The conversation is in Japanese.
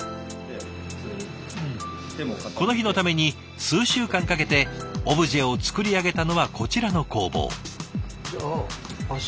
この日のために数週間かけてオブジェを作り上げたのはこちらの工房。